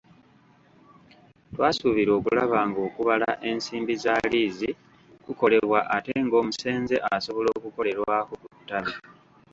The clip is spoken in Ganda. Twasuubira okulaba ng’okubala ensimbi za liizi kukolebwa ate ng’omusenze asobola okukolerwako ku ttabi.